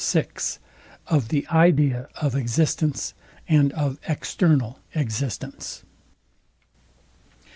SECT. VI. OF THE IDEA OF EXISTENCE, AND OF EXTERNAL EXISTENCE.